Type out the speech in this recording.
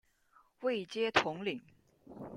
位阶统领。